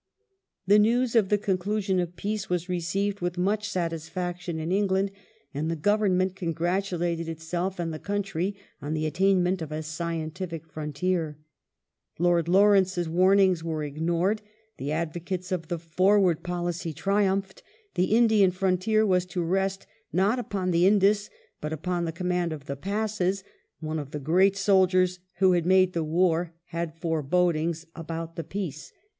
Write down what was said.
The news of the conclusion of peace was received with much satisfaction in England, and the Government congratulated itself and the country on the attainment of a scientific fi ontier. Lord Lawrence's warnings were ignored ; the advocates of the " forward " policy triumphed ; the Indian frontier was to rest not upon the Indus, but upon the command of the passes. One of the great soldiei s who had made the war had forebodings about the peace.